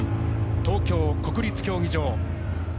東京・国立競技場。